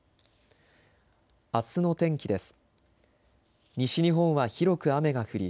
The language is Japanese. あすの天気です。